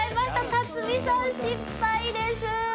辰巳さん失敗です。